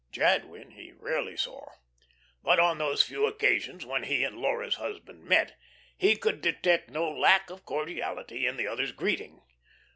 Jadwin he rarely saw. But on those few occasions when he and Laura's husband met, he could detect no lack of cordiality in the other's greeting.